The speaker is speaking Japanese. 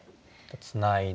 つないで。